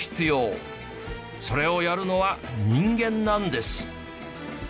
それをやるのは人間なんです。